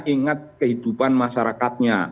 ingat kehidupan masyarakatnya